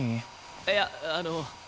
いやあの。